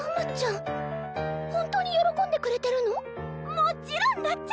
もちろんだっちゃ！